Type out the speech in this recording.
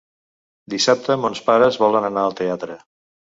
Dissabte mons pares volen anar al teatre.